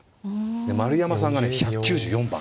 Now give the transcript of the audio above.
丸山さんがね１９４番。